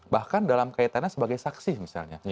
bahkan dalam kaitannya sebagai saksi misalnya